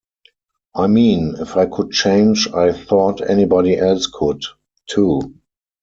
I mean, if I could change I thought anybody else could, too.